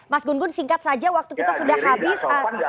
mas gun gun singkat saja waktu kita sudah habis